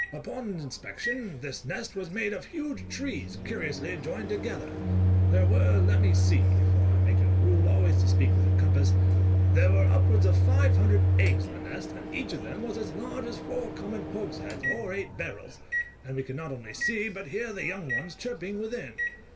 Upon inspection, this nest was made of huge trees curiously joined together; there were, let me see (for I make it a rule always to speak within compass), there were upwards of five hundred eggs in the nest, and each of them was as large as four common hogsheads, or eight barrels, and we could not only see, but hear the young ones chirping within.